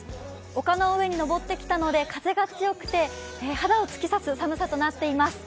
丘の上に登ってきたので風が冷たくて肌を突き刺す寒さとなっています。